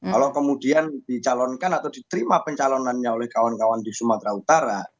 kalau kemudian dicalonkan atau diterima pencalonannya oleh kawan kawan di sumatera utara